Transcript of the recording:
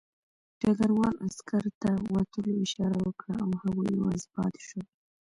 ډګروال عسکر ته د وتلو اشاره وکړه او هغوی یوازې پاتې شول